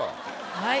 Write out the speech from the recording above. はい。